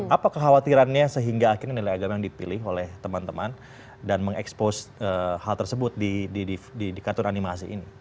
apa kekhawatirannya sehingga akhirnya nilai agama yang dipilih oleh teman teman dan mengekspos hal tersebut di kantor animasi ini